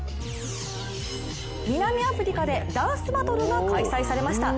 南アフリカでダンスバトルが開催されました。